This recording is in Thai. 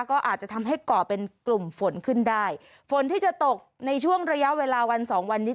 ก็อาจจะทำให้ก่อเป็นกลุ่มฝนขึ้นได้ฝนที่จะตกในช่วงระยะเวลาวันสองวันนี้